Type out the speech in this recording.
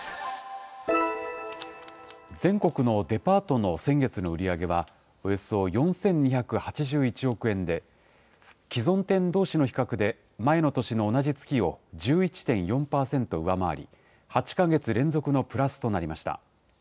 全国のデパートの先月の売り上げは、およそ４２８１億円で、既存店どうしの比較で、前の年の同じ月を１１．４％上回り、８か月連続のプラスとなりました。